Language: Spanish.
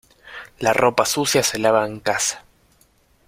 La ropa sucia se lava en casa.